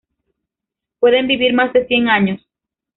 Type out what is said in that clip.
Pueden vivir más de cien años.